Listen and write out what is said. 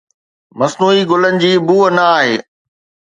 مصنوعي گلن جي بوء نه آهي